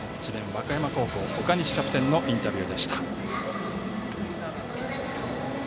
和歌山高校の岡西キャプテンのインタビューでした。